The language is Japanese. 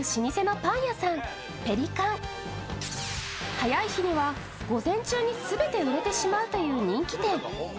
早い日には、午前中に全て売れてしまうという人気店。